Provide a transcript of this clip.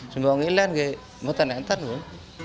semua orang lain saya ngetaran